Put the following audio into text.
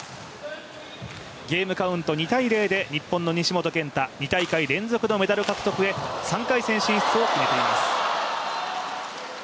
ゲームカウント２−０で日本の西本拳太２大会連続のメダル獲得へ３回戦進出を決めています。